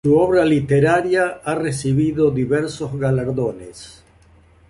Su obra literaria ha recibido diversos galardones.